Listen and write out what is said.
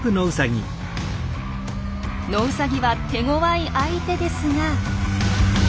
ノウサギは手ごわい相手ですが。